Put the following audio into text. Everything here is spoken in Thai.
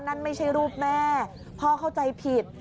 นั่นไม่ใช่รูปแม่พ่อเข้าใจผิด